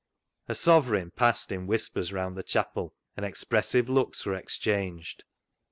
" A sovereign," passed in whispers round the chapel, and expressive looks were exchanged.